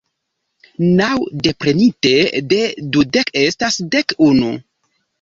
Naŭ deprenite de dudek estas dek unu.